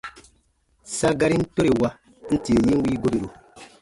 Sa garin tore wa, n tie yin wii goberu.